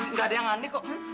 nggak ada yang aneh kok